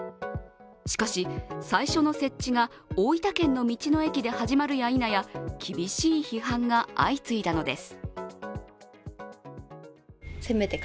しかし、最初の設置が大分県の道の駅で始まるやいなや厳しい批判が相次いだのです。